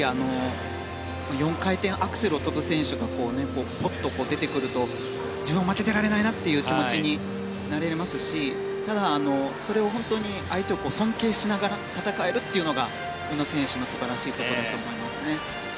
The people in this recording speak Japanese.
４回転アクセルを跳ぶ選手が出てくると自分も負けていられないなという気持ちになりますしただ、相手を尊敬しながら戦えるというのが宇野選手の素晴らしいところだと思います。